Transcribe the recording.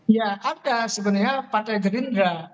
ya ada sebenarnya partai gerindra